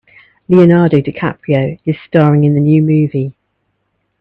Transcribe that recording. Leonardo DiCaprio is staring in the new movie.